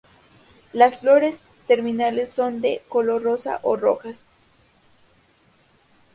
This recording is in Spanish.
Las flores, terminales, son de color rosa o rojas.